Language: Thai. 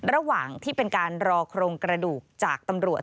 ระหว่างที่เป็นการรอโครงกระดูกจากตำรวจ